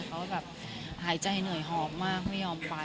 เขาแบบหายใจเหนื่อยหอมมากไม่ยอมไป